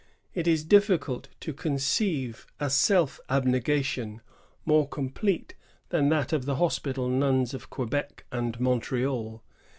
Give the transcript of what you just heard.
It is difficult to conceive a self abnegation more complete than that of the hospital nuns of Quebec and Montreal.